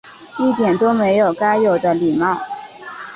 一点都没有该有的礼貌